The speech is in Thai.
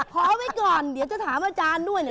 เอาไว้ก่อนเดี๋ยวจะถามอาจารย์ด้วยเนี่ย